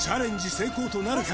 成功となるか？